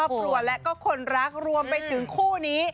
ครอบครัวและก็คนรักรวมไปถึงคู่นี้